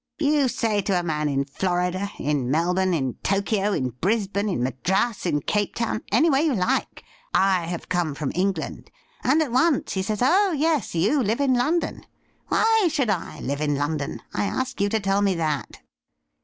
You say to a man in Florida, in Mel bourne, in Tokio, in Brisbane, in Madras, in Cape Town — anywhere you like —" I have come from England," and at once he says, " Oh yes ; you live in London." Why should I live in London .'' I ask you to tell me that.'